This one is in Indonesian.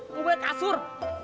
mau gue kasur